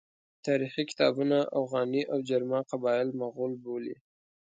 تاریخي کتابونه اوغاني او جرما قبایل مغول بولي.